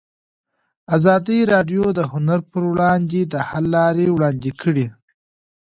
ازادي راډیو د هنر پر وړاندې د حل لارې وړاندې کړي.